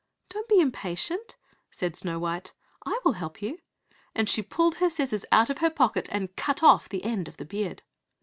"Don't be impatient," said Snow white, "I will help you," and she pulled her scissors out of her pocket, and cut off the end of the beard.